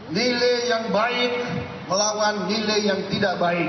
nilai yang baik melawan nilai yang tidak baik